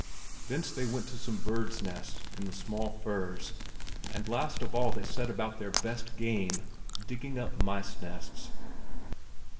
Thence they went to some birds' nests in the small firs, and last of all they set about their best game—digging up mice nests.